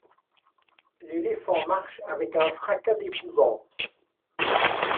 L’éléphant marche avec un fracas d’épouvante ;